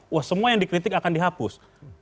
wah semua yang dikritik akan dihapus